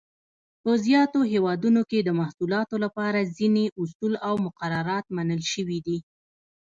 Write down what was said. په زیاتو هېوادونو کې د محصولاتو لپاره ځینې اصول او مقررات منل شوي دي.